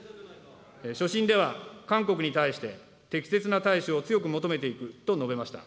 所信では韓国に対して、適切な対処を強く求めていくと述べました。